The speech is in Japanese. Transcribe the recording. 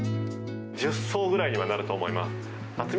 １０層ぐらいにはなると思います。